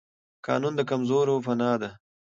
قانون د کمزورو پناه ده